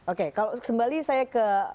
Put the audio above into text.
oke kalau kembali saya ke